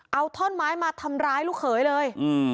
เอาท่อนไม้มาทำร้ายลูกเขยเลย